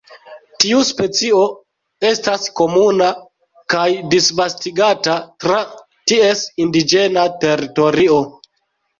Tiu specio estas komuna kaj disvastigata tra ties indiĝena teritorio.